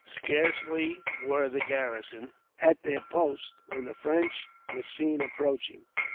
Scarcely were the garrison at their posts, when the French were seen approaching.